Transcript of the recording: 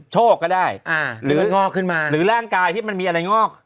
โชคก็ได้หรือแรงกายที่มันมีอะไรงอก